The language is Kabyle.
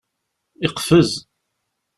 Yeqfez.